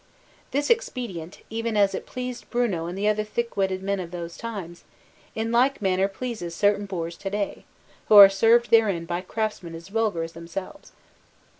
This expedient, even as it pleased Bruno and the other thick witted men of those times, in like manner pleases certain boors to day, who are served therein by craftsmen as vulgar as themselves.